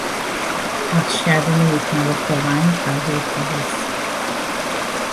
پخش کردن یکنواخت رنگ بر روی کاغذ